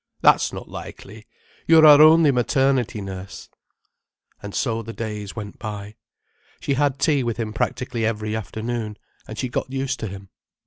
"That's not likely. You're our only maternity nurse—" And so the days went by. She had tea with him practically every afternoon, and she got used to him.